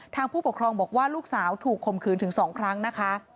ผู้ปกครองบอกว่าลูกสาวถูกข่มขืนถึง๒ครั้งนะคะ